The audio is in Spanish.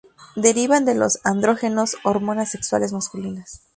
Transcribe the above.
Derivan de los andrógenos, hormonas sexuales masculinas.